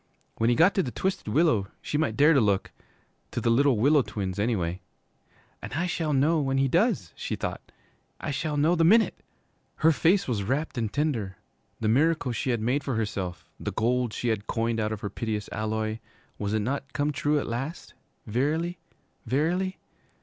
When he got to the Twisted Willow she might dare to look to the Little Willow Twins, anyway. 'And I shall know when he does,' she thought. 'I shall know the minute!' Her face was rapt and tender. The miracle she had made for herself, the gold she had coined out of her piteous alloy, was it not come true at last? Verily, verily?